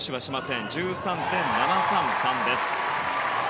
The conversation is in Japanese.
得点は１３．７３３です。